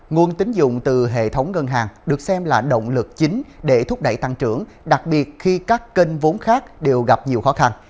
nguồn tính dụng từ hệ thống ngân hàng được xem là động lực chính để thúc đẩy tăng trưởng đặc biệt khi các kênh vốn khác đều gặp nhiều khó khăn